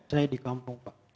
saya di kampung pak